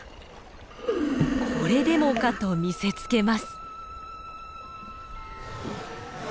これでもかと見せつけます。